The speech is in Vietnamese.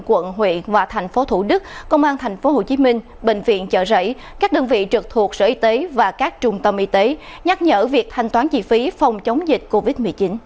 quận huyện và tp hcm bệnh viện chợ rẫy các đơn vị trực thuộc sở y tế và các trung tâm y tế nhắc nhở việc thanh toán chi phí phòng chống dịch covid một mươi chín